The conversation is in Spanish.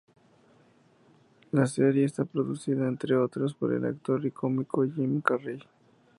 La serie está producida, entre otros, por el actor y cómico Jim Carrey.